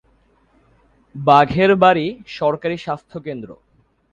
বাঘের বাড়ি সরকারী স্বাস্থ্যকেন্দ্র।